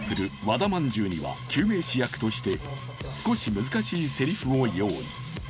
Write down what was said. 和田まんじゅうには救命士役として少し難しいセリフを用意